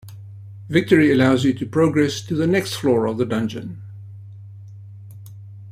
Victory allows you to progress to the next floor of the dungeon.